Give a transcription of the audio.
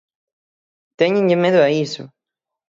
¡Téñenlle medo a iso!